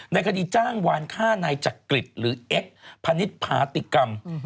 ในคดีจ้างวานฆ่านายจักริตหรือเอ็กซ์พนิษฐพาติกรรม